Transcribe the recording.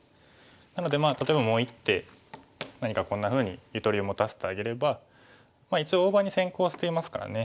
なので例えばもう一手何かこんなふうにゆとりを持たせてあげれば一応大場に先行していますからね。